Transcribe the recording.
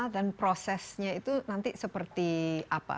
dan prosesnya itu nanti seperti apa